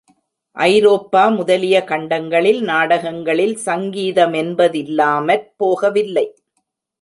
ஐரோப்பா முதலிய கண்டங்களில் நாடகங்களில் சங்கீத மென்பதில்லாமற் போகவில்லை.